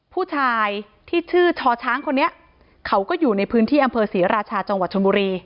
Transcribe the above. ผู้ชายที่ชื่อชอช้างคนนี้เขาก็อยู่ในพื้นที่อำเภอศรีราชาจังหวัดชนบุรี